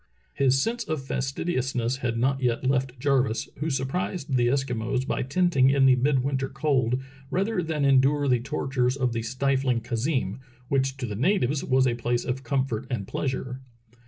His sense of fastidiousness had not yet left Jarvis, who surprised the Eskimos by tenting in the midwinter cold rather than endure the tortures of the stifling khazeem^ which to the natives was a place of comfort and pleasure.